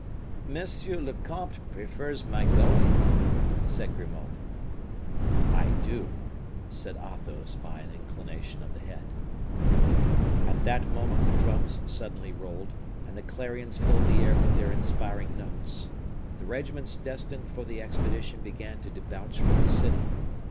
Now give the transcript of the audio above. "Monsieur le comte prefers my going," said Grimaud. "I do," said Athos, by an inclination of the head. At that moment the drums suddenly rolled, and the clarions filled the air with their inspiring notes. The regiments destined for the expedition began to debouch from the city.